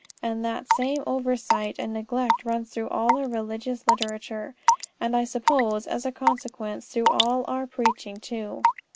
And that same oversight and neglect runs through all our religious literature, and I suppose, as a consequence, through all our preaching too.